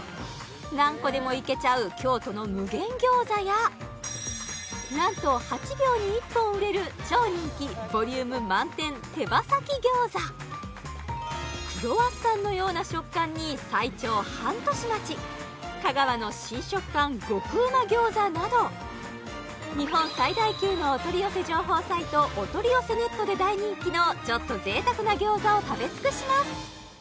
何個でもいけちゃう京都の無限餃子やなんと８秒に１本売れる超人気ボリューム満点手羽先餃子クロワッサンのような食感に最長半年待ち香川の新食感ごくうま餃子など日本最大級のお取り寄せ情報サイトおとりよせネットで大人気のちょっと贅沢な餃子を食べ尽くします！